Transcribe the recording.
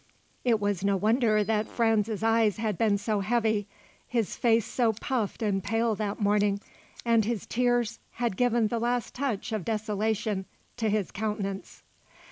It was no wonder that Franz's eyes had been so heavy, his face so puffed and pale that morning; and his tears had given the last touch of desolation to his countenance.